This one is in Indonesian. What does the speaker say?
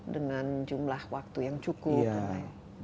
dengan jumlah waktu yang cukup